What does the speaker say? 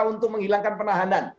untuk menghilangkan penahanan